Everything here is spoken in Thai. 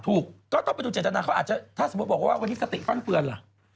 ถูกต้องไปดูเจตนาเขาอาจจะถ้าสมมุติบอกว่าวันนี้สติฟันเฟือนล่ะ